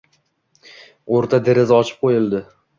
O’rta deraza ochib qo‘yildi.